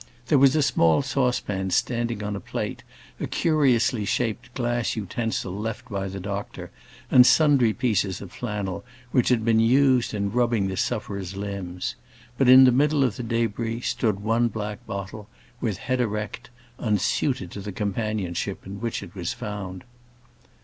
There was a small saucepan standing on a plate, a curiously shaped glass utensil left by the doctor, and sundry pieces of flannel, which had been used in rubbing the sufferer's limbs. But in the middle of the débris stood one black bottle, with head erect, unsuited to the companionship in which it was found.